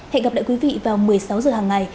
hẹn gặp lại quý vị vào một mươi sáu h hàng ngày